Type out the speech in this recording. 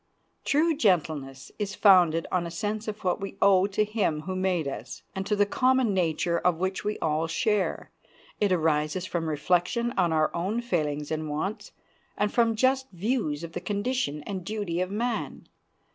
True gentleness is founded on a sense of what we owe to Him who made us, and to the common nature of which we all share. It arises from reflection on our own failings and wants, and from just views of the condition and duty of man.